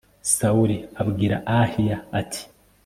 sawuli abwira ahiya, ati